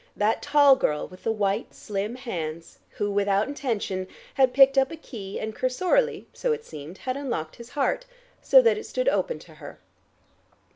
That tall girl with the white slim hands, who, without intention, had picked up a key and, cursorily, so it seemed, had unlocked his heart, so that it stood open to her.